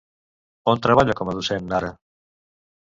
On treballa com a docent ara?